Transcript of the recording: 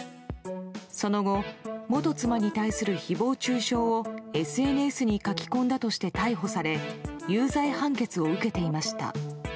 その後、元妻に対する誹謗中傷をＳＮＳに書き込んだとして逮捕され有罪判決を受けていました。